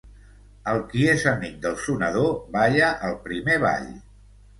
El qui és amic del sonador, balla el primer ball.